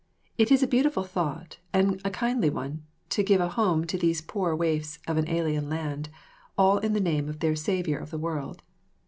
It is a beautiful thought, and a kindly one, to give a home to these poor waifs of an alien land, all in the name of their Saviour of the World.